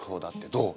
どう？